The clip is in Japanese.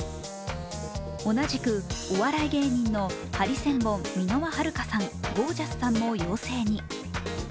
同じく、お笑い芸人のハリセンボン・箕輪はるかさん、ゴー☆ジャスさんも陽性に。